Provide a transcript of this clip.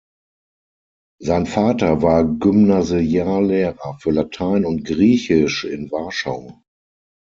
Sein Vater war Gymnasiallehrer für Latein und Griechisch in Warschau.